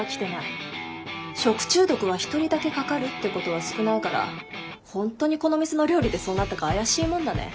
食中毒は１人だけかかるってことは少ないから本当にこの店の料理でそうなったか怪しいもんだね。